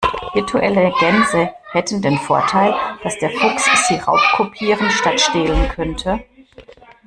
Virtuelle Gänse hätten den Vorteil, dass der Fuchs sie raubkopieren statt stehlen könnte.